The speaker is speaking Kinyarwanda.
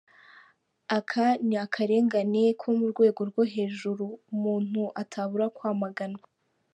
Aka ni akarengane ko mu rwego rwo hejuru umuntu atabura kwamagana.